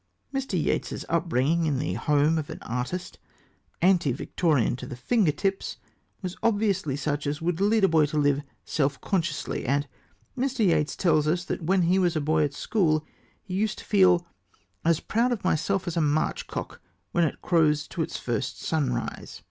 Mr. Yeats's upbringing in the home of an artist anti Victorian to the finger tips was obviously such as would lead a boy to live self consciously, and Mr. Yeats tells us that when he was a boy at school he used to feel "as proud of myself as a March cock when it crows to its first sunrise."